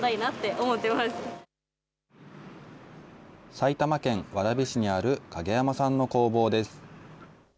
埼玉県蕨市にある影山さんの工房です。